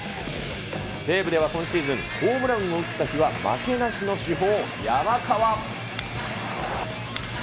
西武では今シーズン、ホームランを打った日は負けなしの主砲、山川。